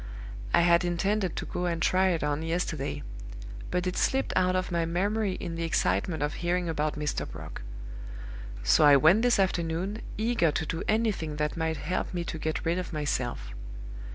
I had intended to go and try it on yesterday; but it slipped out of my memory in the excitement of hearing about Mr. Brock. So I went this afternoon, eager to do anything that might help me to get rid of myself.